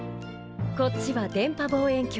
こっちは電波望遠鏡。